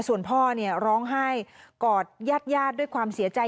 ส่วนพ่อเนี่ยร้องไห้กอดญาติด้วยความเสียใจ